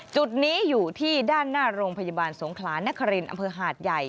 จุดนี้อยู่ที่ด้านหน้าโรงพยาบาลสงขลานครินอำเภอหาดใหญ่